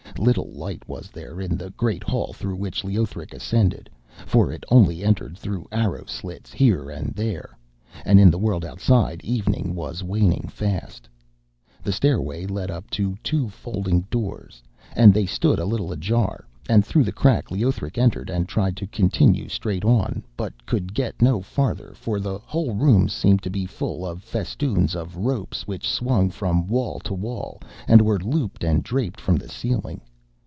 Little light was there in the great hall through which Leothric ascended, for it only entered through arrow slits here and there, and in the world outside evening was waning fast. The stairway led up to two folding doors, and they stood a little ajar, and through the crack Leothric entered and tried to continue straight on, but could get no farther, for the whole room seemed to be full of festoons of ropes which swung from wall to wall and were looped and draped from the ceiling.